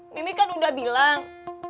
mimikan udah bilang